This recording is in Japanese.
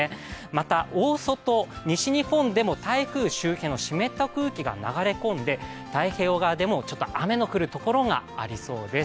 また、大外、西日本でも台風周辺は湿った空気が流れ込んで、太平洋側でもちょっと雨の降る所がありそうです。